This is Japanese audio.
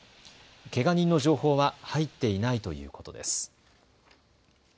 けが人の情報は入っていないということです。